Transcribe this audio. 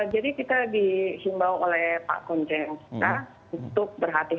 jadi kita dihimbau oleh pak konjen untuk berhati hati dan untuk selalu memantau keadaan covid saat ini